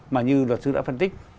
mà như luật sư đã phân tích